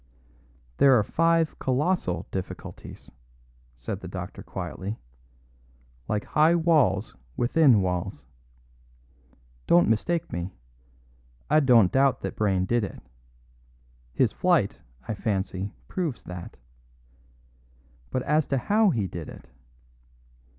"There are five colossal difficulties," said the doctor quietly; "like high walls within walls. Don't mistake me. I don't doubt that Brayne did it; his flight, I fancy, proves that. But as to how he did it.